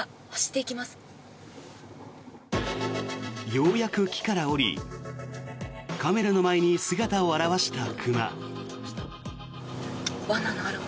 ようやく木から下りカメラの前に姿を現した熊。